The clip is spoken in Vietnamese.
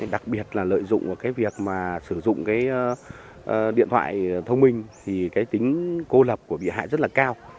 đặc biệt là lợi dụng vào cái việc mà sử dụng cái điện thoại thông minh thì cái tính cô lập của bị hại rất là cao